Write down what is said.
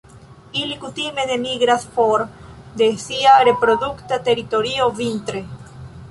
Ili kutime ne migras for de sia reprodukta teritorio vintre.